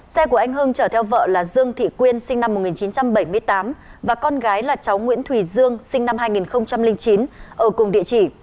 xe của anh hưng chở theo vợ là dương thị quyên sinh năm một nghìn chín trăm bảy mươi tám và con gái là cháu nguyễn thùy dương sinh năm hai nghìn chín ở cùng địa chỉ